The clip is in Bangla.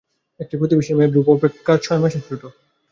একটি প্রতিবেশীর মেয়ে, ধ্রুব অপেক্ষা ছয় মাসের ছোটো।